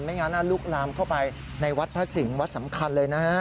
งั้นลุกลามเข้าไปในวัดพระสิงห์วัดสำคัญเลยนะฮะ